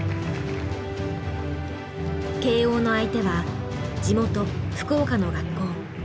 慶應の相手は地元福岡の学校。